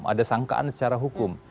ada sangkaan secara hukum